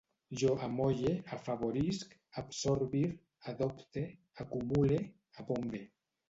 Jo amolle, afavorisc, absorbir, adopte, acumule, abombe